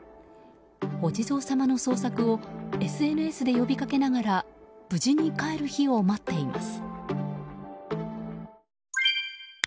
お地蔵様の捜索をＳＮＳで呼びかけながら無事に返る日を待っています。